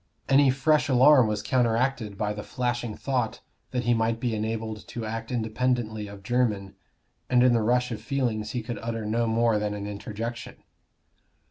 Any fresh alarm was counteracted by the flashing thought that he might be enabled to act independently of Jermyn; and in the rush of feelings he could utter no more than an interjection.